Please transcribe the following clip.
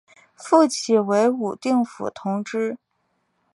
复起为武定府同知。